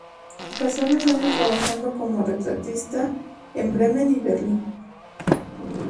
Pasó dos años trabajando como retratista en Bremen y Berlín.